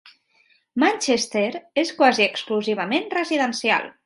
Manchester és quasi exclusivament residencial.